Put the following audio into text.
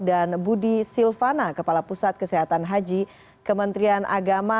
dan budi silvana kepala pusat kesehatan haji kementerian agama